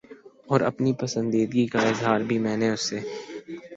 اور اپنی پسندیدگی کا اظہار بھی میں نے اس سے